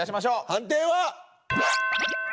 判定は。